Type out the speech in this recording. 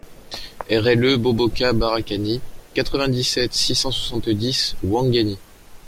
RLE BOBOKA - BARAKANI, quatre-vingt-dix-sept, six cent soixante-dix Ouangani